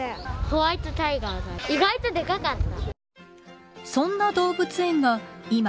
ホワイトタイガー意外とでかかった。